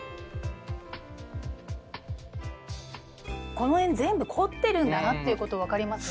この辺全部凝ってるんだなっていうこと分かりますね。